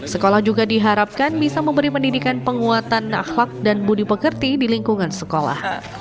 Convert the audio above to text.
sekolah juga diharapkan bisa memberi pendidikan penguatan nakhlak dan budi pekerti di lingkungan sekolah